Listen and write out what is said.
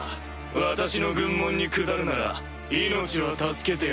私の軍門に下るなら命は助けてやっても。